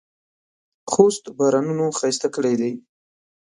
خوست بارانونو ښایسته کړی دی.